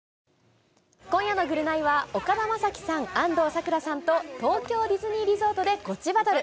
今夜のぐるナイは、岡田将生さん、安藤サクラさんと東京ディズニーリゾートでゴチバトル。